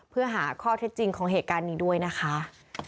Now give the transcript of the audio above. เพื่อหาข้อเท็จจริงของเหตุการณ์นี้ด้วยนะคะ